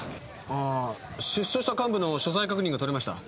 ああ出所した幹部の所在確認が取れました。